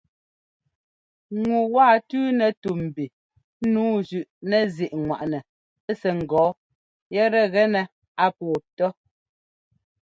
Ŋu waa tʉ́nɛ tú mbi nǔu zʉꞌnɛzíꞌŋwaꞌnɛ sɛ́ ŋ́gɔɔ yɛtɛ gɛnɛ a pɔɔ tɔ́.